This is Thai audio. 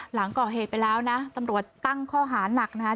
หลังก่อเหตุไปแล้วนะตำรวจตั้งข้อหานักนะคะ